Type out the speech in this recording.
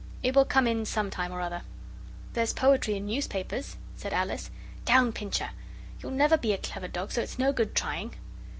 It will come in some time or other.' 'There's poetry in newspapers,' said Alice. 'Down, Pincher! you'll never be a clever dog, so it's no good trying.